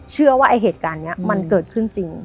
เชื่อว่าไอ้เหตุการณ์นี้มันเกิดขึ้นจริง